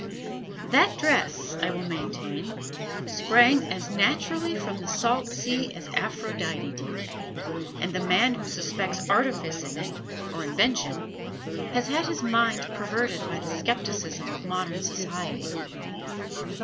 That dress, I will maintain, sprang as naturally from the salt sea as Aphrodite did; and the man who suspects artifice in it, or invention, has had his mind perverted by the skepticism of modern society."